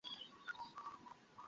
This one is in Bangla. আল্লাহ দাতাদেরকে পুরস্কৃত করে থাকেন।